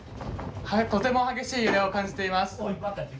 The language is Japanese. とても激しい揺れを感じています。